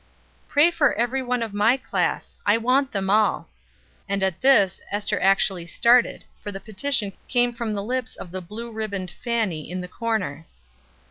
"Pray for every one of my class. I want them all." And at this Esther actually started, for the petition came from the lips of the blue ribboned Fanny in the corner.